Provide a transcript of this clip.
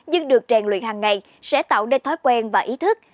nhưng được rèn luyện hàng ngày sẽ tạo nên thói quen và ý thức